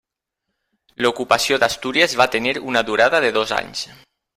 L'ocupació d'Astúries va tenir una durada de dos anys.